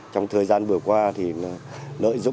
trong thời gian vừa qua thì nỗi giúp